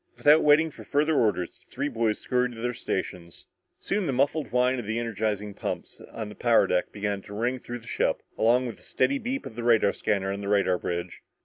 Without waiting for further orders, the three boys scurried to their stations. Soon the muffled whine of the energizing pumps on the power deck began to ring through the ship, along with the steady beep of the radar scanner on the radar bridge.